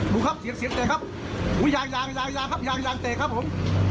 ดูครับเสียงเตะครับอย่างอย่างเตะครับผม